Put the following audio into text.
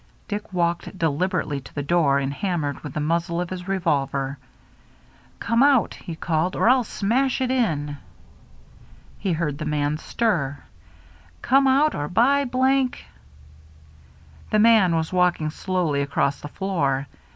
Dick walked deliberately to the door and hammered with the muzzle of his revolver. " Come out," he called, " or Til smash it in." He heard the man stir. " Come out, or by !" The man was walking slowly across the floor.